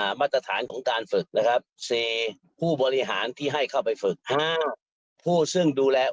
มาตรฐานของการฝึกนะครับเซผู้บริหารที่ให้เข้าไปฝึกห้างผู้ซึ่งดูแล